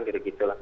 gitu gitu lah pak